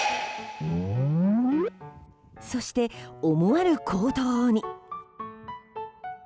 そして思わぬ行動に。